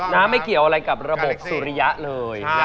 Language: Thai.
ไม่เกี่ยวอะไรกับระบบสุริยะเลย